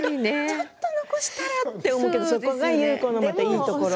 ちょっと残したら？って思うけれどもそこが優子のいいところ。